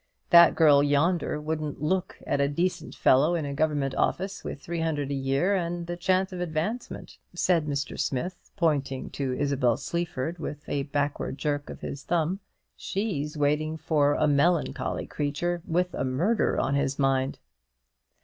That girl yonder wouldn't look at a decent young fellow in a Government office with three hundred a year and the chance of advancement," said Mr. Smith, pointing to Isabel Sleaford with a backward jerk of his thumb. "She's waiting for a melancholy creature, with a murder on his mind."